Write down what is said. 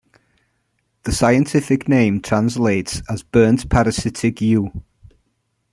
The scientific name translates as Burnt Parasitic Yew.